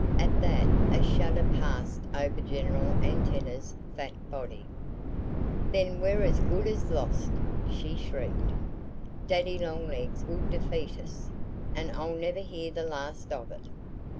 At that a shudder passed over General Antenna's fat body. "Then we're as good as lost!" she shrieked. "Daddy Longlegs will defeat us. And I'll never hear the last of it."